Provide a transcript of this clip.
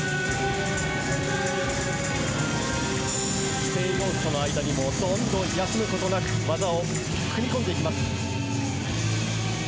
規定要素の間にもどんどん休むことなく技を組み込んでいきます。